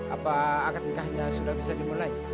apa akad nikahnya sudah bisa dimulai